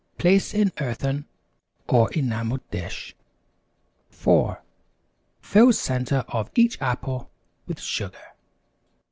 Place in earthen or enamel dish. 4. Fill center of each apple with sugar.